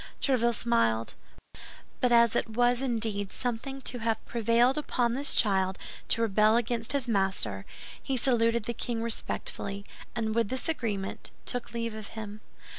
Tréville smiled; but as it was indeed something to have prevailed upon this child to rebel against his master, he saluted the king respectfully, and with this agreement, took leave of him.